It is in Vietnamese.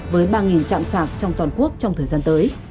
với ba trạm sạc trong toàn quốc trong thời gian tới